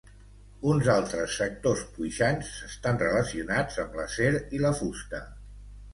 Uns altres sectors puixants estan relacionats amb l’acer i la fusta.